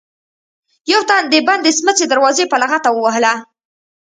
يو تن د بندې سمڅې دروازه په لغته ووهله.